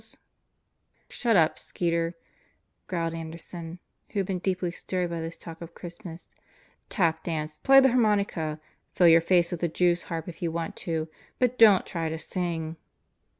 "For God's sake shut up, Skeeter," growled Anderson who had been deeply stirred by this talk of Christmas. "Tap dance, play the harmonica, fill your face with the Jew's harp if you want to; but don't try to sing."